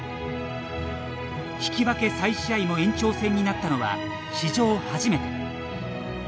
引き分け再試合も延長戦になったのは史上初めて。